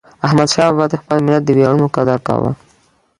احمدشاه بابا د خپل ملت د ویاړونو قدر کاوه.